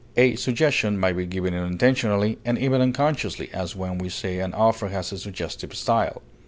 A suggestion may be given unintentionally, and even unconsciously, as when we say an author has "a suggestive style."